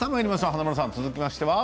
華丸さん、続きましては？